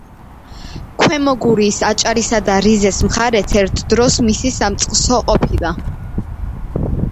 ქვემო გურიის, აჭარისა და რიზეს მხარეც ერთ დროს მისი სამწყსო ყოფილა.